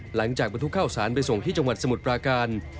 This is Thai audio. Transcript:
บรรทุกข้าวสารไปส่งที่จังหวัดสมุทรปราการ